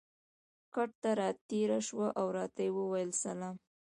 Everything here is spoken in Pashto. کټ ته را تېره شوه او راته یې وویل: سلام.